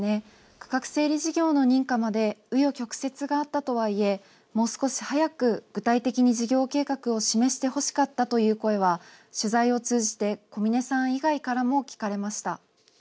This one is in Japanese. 区画整理事業の認可までう余曲折があったとはいえ、もう少し早く、具体的に事業計画を示してほしかったという声は、取材を通じて小嶺さん以外からも聞かれました。